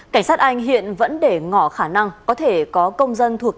cảnh sát anh hiện vẫn để ngỏ khả năng có thể có công dân thuộc